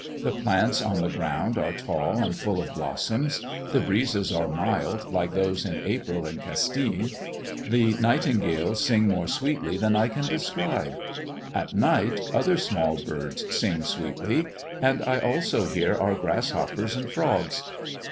The plants on the ground are tall and full of blossoms. The breezes are mild like those in April in Castille; the nightingales sing more sweetly than I can describe. At night, other small birds sing sweetly, and I also hear our grasshoppers and frogs.